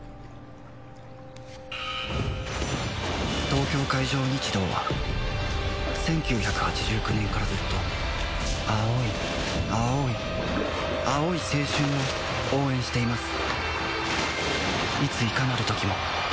東京海上日動は１９８９年からずっと青い青い青い青春を応援しています